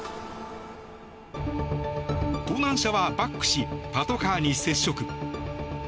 盗難車はバックしパトカーに接触。